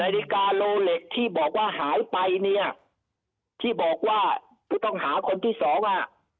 นาฬิกาโลเล็กที่บอกว่าหายไปเนี่ยที่บอกว่าผู้ต้องหาคนที่สองอ่ะ